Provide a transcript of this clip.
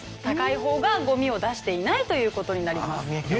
高い方がゴミを出していないという事になります。